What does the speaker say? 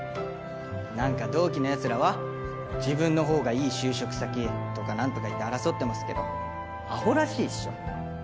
なんか同期の奴らは自分のほうがいい就職先とかなんとか言って争ってますけどアホらしいっしょ。